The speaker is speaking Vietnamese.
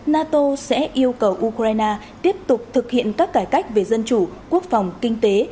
nato sẽ yêu cầu ukraine tiếp tục thực hiện các cải cách về dân chủ quốc phòng kinh tế